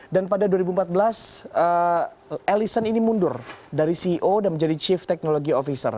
dan pada dua ribu empat belas ellison ini mundur dari ceo dan menjadi chief technology officer